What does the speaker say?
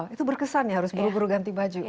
itu berkesan ya harus buru buru ganti baju